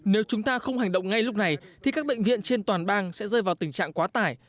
nếu chúng ta không hành động ngay lúc này thì các bệnh viện trên toàn bang sẽ rơi vào tình trạng quá tải